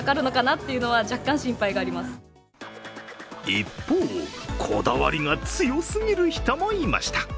一方、こだわりが強すぎる人もいました。